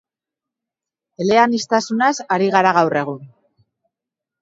Eleaniztasunaz ari gara gaur egun.